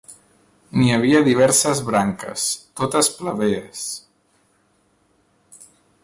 N'hi havia diverses branques, totes plebees.